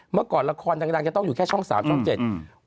เมื่อก่อนละครดังจะต้องอยู่แค่ช่อง๓ช่อง๗